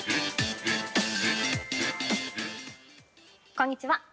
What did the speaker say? ◆こんにちは。